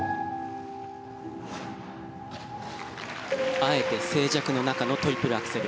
あえて静寂の中のトリプルアクセル。